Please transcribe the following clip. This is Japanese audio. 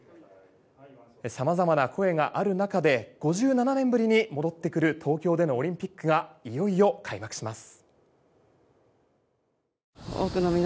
様々な声がある中で５７年ぶりに戻ってくる東京でのオリンピックがいよいよ開幕します。